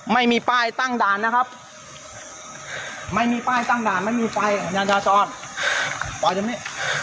ไม่มีป้ายตั้งด่านไม่มีไฟยังยังจะชอบปล่อยจำนี้